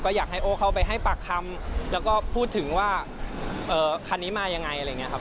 อยากให้โอ้เข้าไปให้ปากคำแล้วก็พูดถึงว่าคันนี้มายังไงอะไรอย่างนี้ครับ